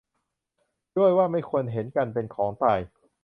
ด้วยว่าไม่ควรเห็นกันเป็นของตาย